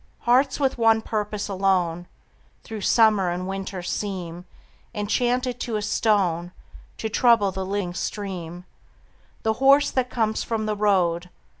Hearts with one purpose alone Through summer and winter seem Enchanted to a stone To trouble the living stream. The horse that comes from the road.